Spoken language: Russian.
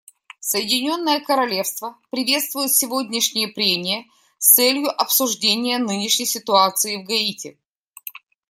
Соединенное Королевство приветствует сегодняшние прения с целью обсуждения нынешней ситуации в Гаити.